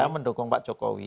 mendukung pak jokowi